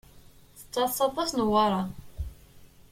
Tettaḍṣa aṭas Newwara.